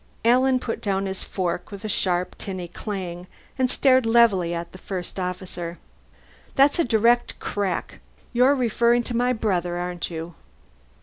Alan put down his fork with a sharp tinny clang and stared levelly at the First Officer. "That's a direct crack. You're referring to my brother, aren't you?"